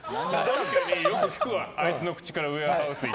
確かによく聞くわあいつの口からウェアハウス。